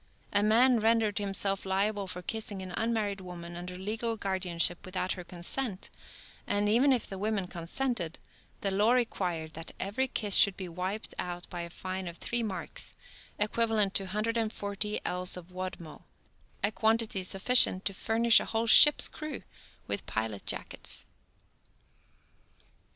A man rendered himself liable for kissing an unmarried woman under legal guardianship without her consent; and, even if the lady consented, the law required that every kiss should be wiped out by a fine of three marks, equivalent to 140 ells of wadmal, a quantity sufficient to furnish a whole ship's crew with pilot jackets.